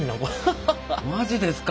マジですか！